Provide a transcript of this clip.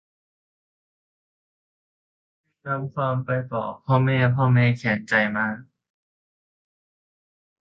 จึงนำความไปบอกพ่อแม่ พ่อแม่แค้นใจมาก